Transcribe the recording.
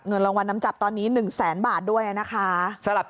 รางวัลน้ำจับตอนนี้๑แสนบาทด้วยนะคะ